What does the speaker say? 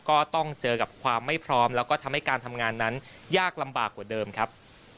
ก็ต้องเจอกับความไม่พร้อมแล้วก็ทำให้การทำงานนั้นยากลำบากกว่าเดิมครับ